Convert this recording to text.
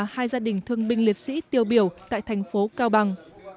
hai gia đình thương binh liệt sĩ tiêu biểu tại thành phố cao bằng